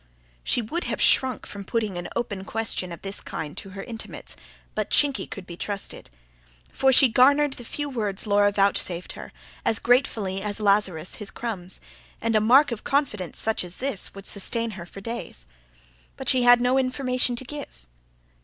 She would have shrunk from putting an open question of this kind to her intimates; but Chinky, could be trusted. For she garnered the few words Laura vouchsafed her, as gratefully as Lazarus his crumbs; and a mark of confidence, such as this, would sustain her for days. But she had no information to give.